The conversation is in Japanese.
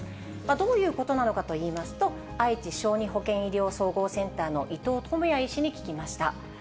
どういうことなのかといいますと、あいち小児保健医療総合センターの伊藤友弥医師に聞きました。